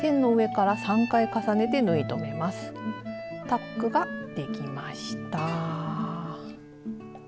タックができました。